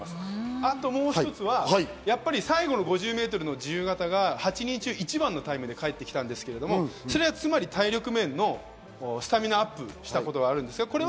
あともう１つはやっぱり最後の５０ｍの自由形が８人中、１番のタイムで帰ってきたんですけど、つまり体力面のスタミナアップをしたことがあります。